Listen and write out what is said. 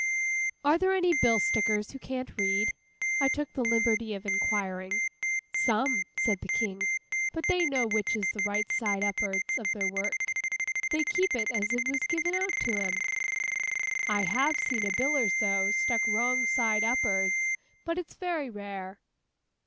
'Are there any bill stickers who can't read?' I took the liberty of inquiring. 'Some,' said the King. 'But they know which is the right side up'ards of their work. They keep it as it's given out to 'em. I have seen a bill or so stuck wrong side up'ards. But it's very rare.